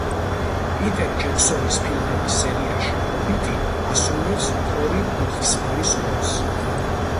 პიტერ ჯექსონის ფილმების სერიაში „ჰობიტი“ ასრულებს თორინ მუხისფარის როლს.